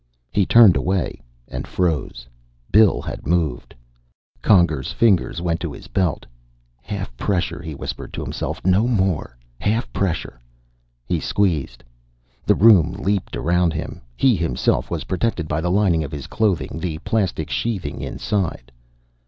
He turned away. And froze. Bill had moved. Conger's fingers went to his belt. Half pressure, he whispered to himself. No more. Half pressure. He squeezed. The room leaped around him. He himself was protected by the lining of his clothing, the plastic sheathing inside.